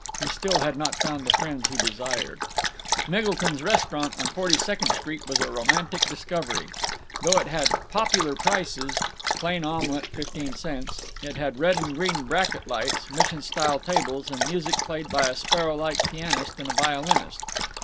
He still had not found the friends he desired. Miggleton's restaurant, on Forty second Street, was a romantic discovery. Though it had "popular prices"—plain omelet, fifteen cents—it had red and green bracket lights, mission style tables, and music played by a sparrowlike pianist and a violinist.